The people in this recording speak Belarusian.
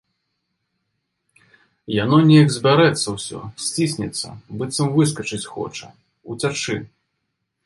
Яно неяк збярэцца ўсё, сціснецца, быццам выскачыць хоча, уцячы.